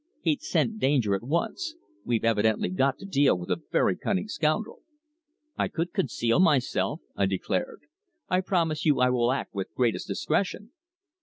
He'd scent danger at once. We've evidently got to deal with a very cunning scoundrel." "I could conceal myself," I declared. "I promise you I will act with greatest discretion."